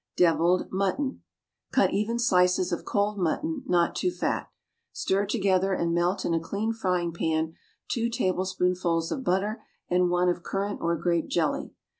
Devilled Mutton. Cut even slices of cold mutton, not too fat. Stir together and melt in a clean frying pan two tablespoonfuls of butter and one of currant or grape jelly.